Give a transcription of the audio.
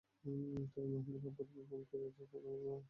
তখন মহেন্দ্র আর পড়িবার ভান করিতে পারিল না–মুখ তুলিয়া চাহিল।